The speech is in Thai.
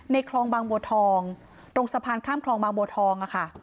คลองบางบัวทองตรงสะพานข้ามคลองบางบัวทองค่ะ